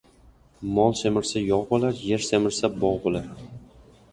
Mol semirsa, yog' bo'lar, yer semirsa, bog' bo'lar.